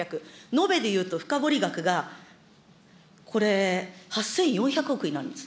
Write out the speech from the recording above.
延べでいうと深掘り額がこれ、８４００億になるんです。